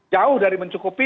jauh dari mencukupi